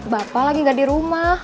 bapak lagi gak di rumah